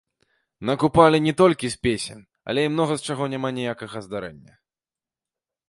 На купалле не толькі з песень, але і многа з чаго няма ніякага здарэння.